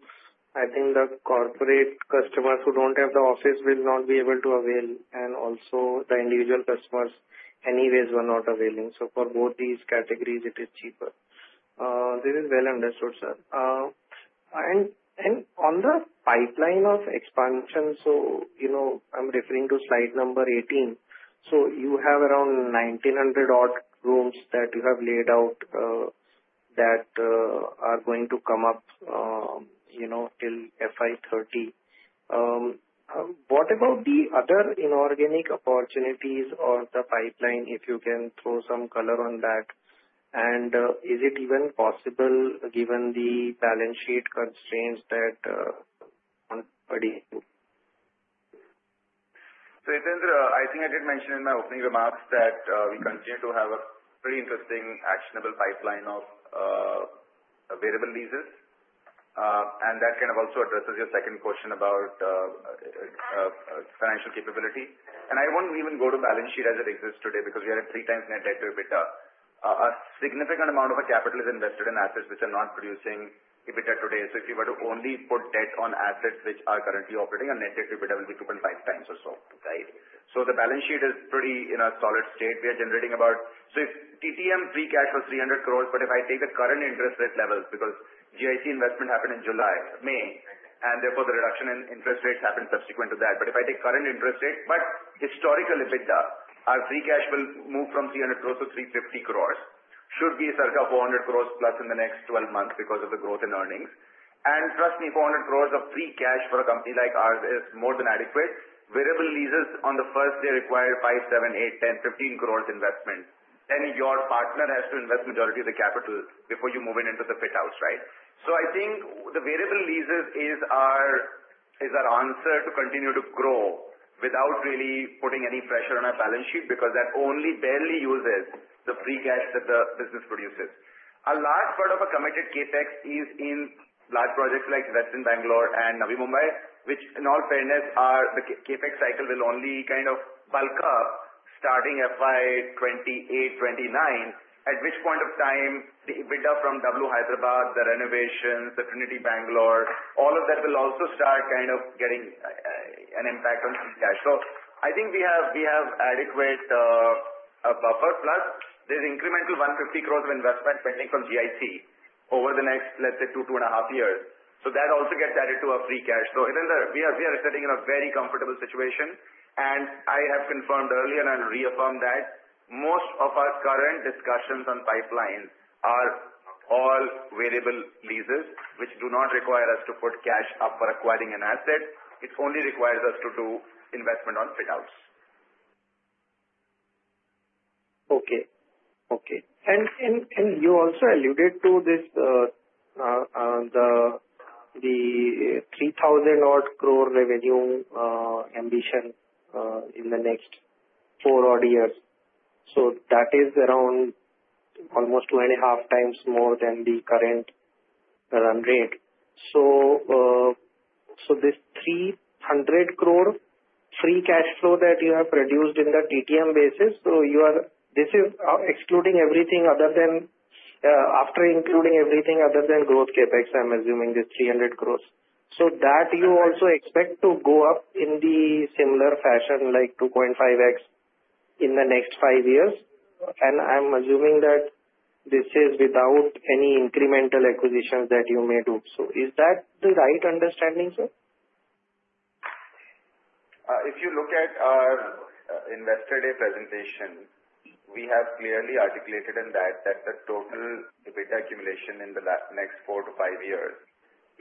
I think the corporate customers who don't have the office will not be able to avail, and also the individual customers anyways were not availing. So for both these categories, it is cheaper. This is well understood, sir. And on the pipeline of expansion, so I'm referring to slide number 18. So you have around 1,900 odd rooms that you have laid out that are going to come up till FY 2030. What about the other inorganic opportunities on the pipeline, if you can throw some color on that? And is it even possible, given the balance sheet constraints that are on the body? So Hitaindra, I think I did mention in my opening remarks that we continue to have a pretty interesting actionable pipeline of available leases. And that kind of also addresses your second question about financial capability. And I won't even go to balance sheet as it exists today because we are at 3x net debt to EBITDA. A significant amount of capital is invested in assets which are not producing EBITDA today. So if you were to only put debt on assets which are currently operating, our net debt to EBITDA will be 2.5x or so, right? So the balance sheet is pretty in a solid state. We are generating about—so TTM free cash was 300 crores, but if I take the current interest rate levels because GIC investment happened in July, May, and therefore the reduction in interest rates happened subsequent to that. If I take current interest rate, but historical EBITDA, our free cash will move from 300 crore to 350 crore. Should be circa 400 crore plus in the next 12 months because of the growth in earnings. And trust me, 400 crore of free cash for a company like ours is more than adequate. Variable leases on the first day require 5 crore, 7 crore, 8 crore, 10 crore, 15 crore investment. Then your partner has to invest the majority of the capital before you move it into the fit-outs, right? So I think the variable leases are our answer to continue to grow without really putting any pressure on our balance sheet because that only barely uses the free cash that the business produces. A large part of our committed CapEx is in large projects like Westin Bangalore and Navi Mumbai, which in all fairness, the CapEx cycle will only kind of bulk up starting FY 2028, FY 2029, at which point of time, the EBITDA from W Hyderabad, the renovations, the Trinity Bangalore, all of that will also start kind of getting an impact on free cash. So I think we have adequate buffer. Plus, there's incremental 150 crore of investment pending from GIC over the next, let's say, 2 years-2.5 years. So that also gets added to our free cash. So Hitaindra, we are sitting in a very comfortable situation. And I have confirmed earlier and I'll reaffirm that most of our current discussions on pipeline are all variable leases, which do not require us to put cash up for acquiring an asset. It only requires us to do investment on fit-outs. Okay. Okay. And you also alluded to the 3,000-odd crore revenue ambition in the next four-odd years. So that is around almost 2.5x more than the current run rate. So this 300 crore free cash flow that you have produced in the TTM basis, so this is excluding everything other than after including everything other than growth CapEx, I'm assuming this 300 crore. So that you also expect to go up in the similar fashion, like 2.5x in the next five years. And I'm assuming that this is without any incremental acquisitions that you may do. So is that the right understanding, sir? If you look at our investor day presentation, we have clearly articulated in that that the total EBITDA accumulation in the next 4 years-5 years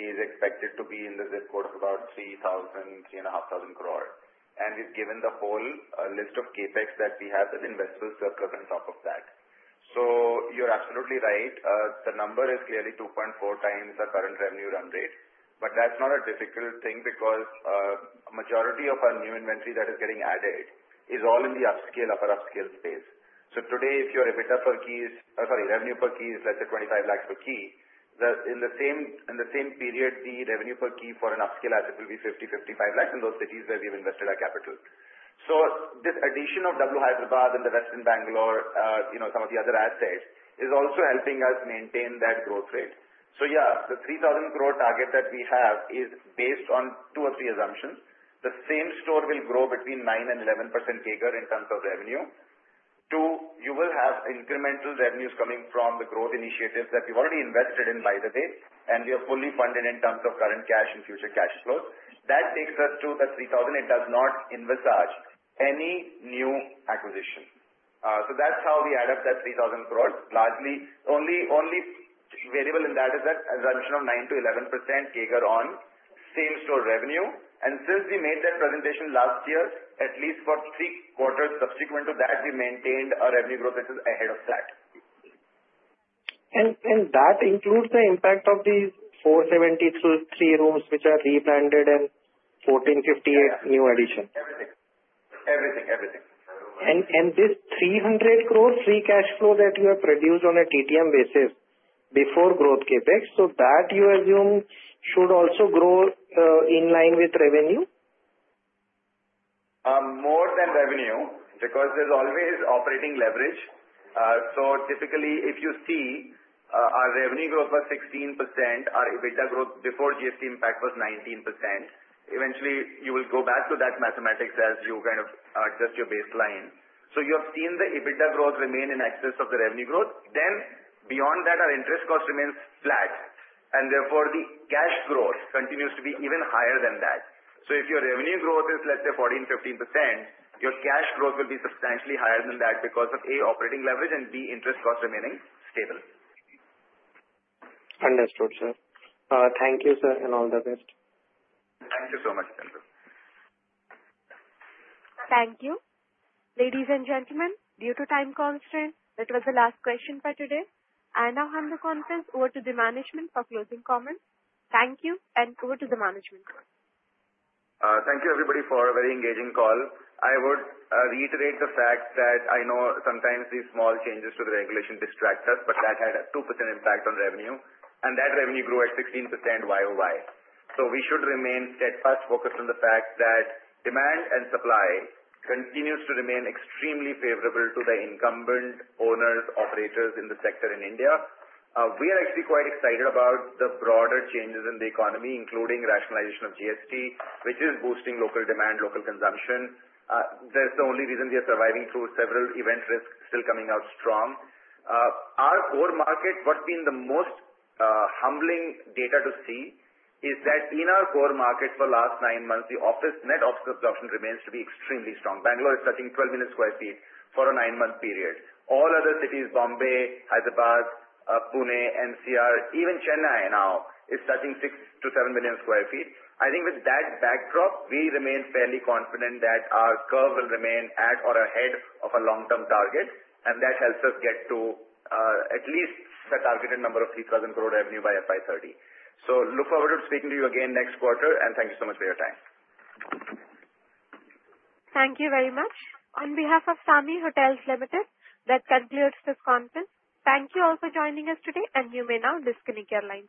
is expected to be in the zip code of about 3,000 crore-3,500 crore. And we've given the whole list of CapEx that we have that investors circle on top of that. So you're absolutely right. The number is clearly 2.4x our current revenue run rate. But that's not a difficult thing because the majority of our new inventory that is getting added is all in the upscale, upper upscale space. So today, if your EBITDA per key is, sorry, revenue per key is, let's say, 25 lakhs per key, in the same period, the revenue per key for an upscale asset will be 50-55 lakhs in those cities where we've invested our capital. So this addition of W Hyderabad and the Westin Bangalore, some of the other assets is also helping us maintain that growth rate. So yeah, the 3,000 crore target that we have is based on two or three assumptions. The same store will grow between 9%-11% CAGR in terms of revenue. Two, you will have incremental revenues coming from the growth initiatives that we've already invested in, by the way, and we are fully funded in terms of current cash and future cash flows. That takes us to the 3,000 crore. It does not envisage any new acquisition. So that's how we add up that 3,000 crore. Largely, only variable in that is that assumption of 9%-11% CAGR on same store revenue. Since we made that presentation last year, at least for three quarters subsequent to that, we maintained our revenue growth ahead of that. And that includes the impact of these 473 rooms which are rebranded and 1,458 new additions. Everything. Everything. Everything. This 300 crore free cash flow that you have produced on a TTM basis before growth CapEx, so that you assume should also grow in line with revenue? More than revenue because there's always operating leverage. So typically, if you see our revenue growth was 16%, our EBITDA growth before GST impact was 19%. Eventually, you will go back to that mathematics as you kind of adjust your baseline. So you have seen the EBITDA growth remain in excess of the revenue growth. Then beyond that, our interest cost remains flat. And therefore, the cash growth continues to be even higher than that. So if your revenue growth is, let's say, 14%-15%, your cash growth will be substantially higher than that because of A, operating leverage, and B, interest cost remaining stable. Understood, sir. Thank you, sir, and all the best. Thank you so much, Hitaindra. Thank you. Ladies and gentlemen, due to time constraint, that was the last question for today. I now hand the conference over to the management for closing comments. Thank you, and over to the management. Thank you, everybody, for a very engaging call. I would reiterate the fact that I know sometimes these small changes to the regulation distract us, but that had a 2% impact on revenue. That revenue grew at 16% YoY. We should remain steadfast, focused on the fact that demand and supply continues to remain extremely favorable to the incumbent owners, operators in the sector in India. We are actually quite excited about the broader changes in the economy, including rationalization of GST, which is boosting local demand, local consumption. That's the only reason we are surviving through several event risks still coming out strong. Our core market, what's been the most humbling data to see is that in our core market for the last nine months, the net office consumption remains to be extremely strong. Bangalore is touching 12 million sq ft for a nine month period. All other cities, Bombay, Hyderabad, Pune, NCR, even Chennai now is touching 6-7 million sq ft. I think with that backdrop, we remain fairly confident that our curve will remain at or ahead of our long-term target. That helps us get to at least the targeted number of 3,000 crore revenue by FY 2030. Look forward to speaking to you again next quarter. Thank you so much for your time. Thank you very much. On behalf of SAMHI Hotels Limited, that concludes this conference. Thank you all for joining us today, and you may now disconnect your line.